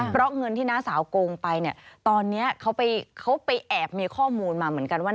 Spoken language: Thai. เพราะเงินที่น้าสาวโกงไปเนี่ยตอนนี้เขาไปแอบมีข้อมูลมาเหมือนกันว่า